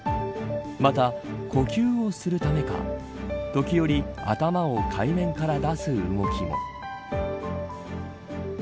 また、呼吸をするためか時折、頭を海面から出す動きも。